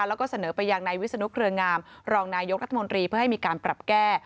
แล้วก็เสนอไปยังนายวิศนุเครืองามรองนายกรัฐมนตรีเพื่อให้มีการปรับแก้